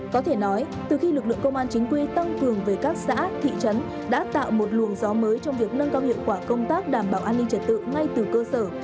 có thể nói từ khi lực lượng công an chính quy tăng cường về các xã thị trấn đã tạo một luồng gió mới trong việc nâng cao hiệu quả công tác đảm bảo an ninh trật tự ngay từ cơ sở